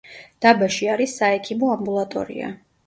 დაბაში არის საექიმო ამბულატორია.